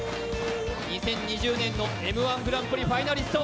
２０２０年の「Ｍ−１グランプリ」ファイナリスト。